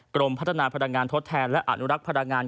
กรมพัฒนาพลังงานทดแทนและอนุรักษ์พลังงาน